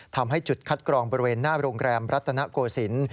ทำให้จุดคัดกรองบริเวณหน้าโรงแรมรัตนโกศิลป์